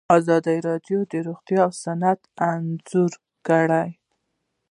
ازادي راډیو د روغتیا وضعیت انځور کړی.